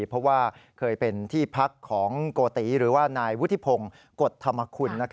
เพราะว่าเคยเป็นที่พักของโกติหรือว่านายวุฒิพงศ์กฎธรรมคุณ